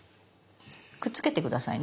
くっつけて下さいね